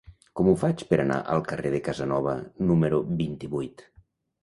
Com ho faig per anar al carrer de Casanova número vint-i-vuit?